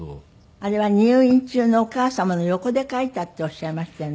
あれは入院中のお母様の横で書いたっておっしゃいましたよね。